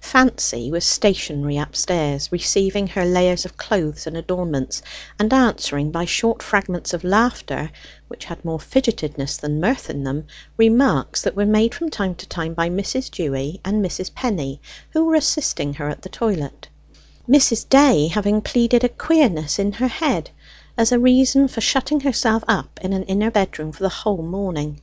Fancy was stationary upstairs, receiving her layers of clothes and adornments, and answering by short fragments of laughter which had more fidgetiness than mirth in them, remarks that were made from time to time by Mrs. Dewy and Mrs. Penny, who were assisting her at the toilet, Mrs. Day having pleaded a queerness in her head as a reason for shutting herself up in an inner bedroom for the whole morning.